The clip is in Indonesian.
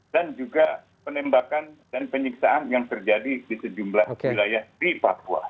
dan juga penembakan dan penyiksaan yang terjadi di sejumlah wilayah di papua